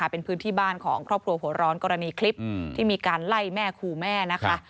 เป็นพื้นที่บ้านของครอบครัวหัวร้อนกรณีคลิปที่มีการไล่แม่ขู่แม่นะคะ